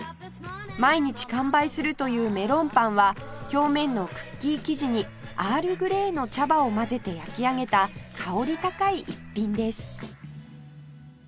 毎日完売するというメロンパンは表面のクッキー生地にアールグレイの茶葉を混ぜて焼き上げた香り高い逸品です